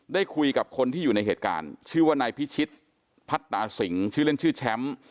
ได้คุยกับคนที่อยู่ในเหตุการณ์ชื่อว่านายพิชิตพัตตาสิงชื่อเล่นชื่อแชมป์